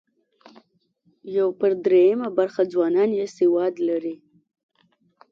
یو پر درېیمه برخه ځوانان یې سواد لري.